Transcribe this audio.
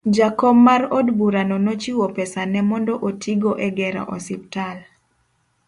Jakom mar od burano nochiwo pesane mondo otigo e gero osiptal